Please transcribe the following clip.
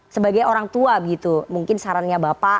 sebagai orang tua gitu mungkin sarannya bapak